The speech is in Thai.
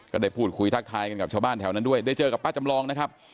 ก็ได้พูดคุยทักทายกันกับชาวบ้านแถวนั้นด้วยได้เจอกับป้าจำลองนะครับ